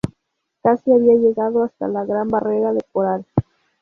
Casi había llegado hasta la Gran Barrera de Coral.